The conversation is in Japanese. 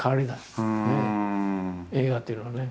映画っていうのはね。